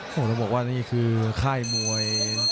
โหเราบอกว่านี่คือค่ายมวย